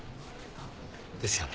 ですよね。